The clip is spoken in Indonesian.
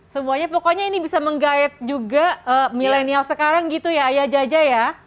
semuanya pokoknya ini bisa menggait juga milenial sekarang gitu ya ayah jaja ya